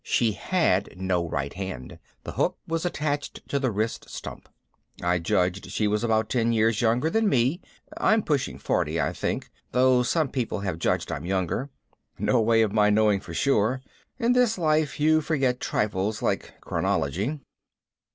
She had no right hand. The hook was attached to the wrist stump. I judged she was about ten years younger than me. I'm pushing forty, I think, though some people have judged I'm younger. No way of my knowing for sure. In this life you forget trifles like chronology.